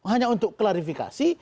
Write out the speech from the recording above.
hanya untuk klarifikasi